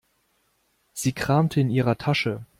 Sie kramte in ihrer Tasche.